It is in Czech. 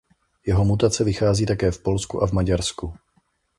Jeho mutace vychází také v Polsku a v Maďarsku.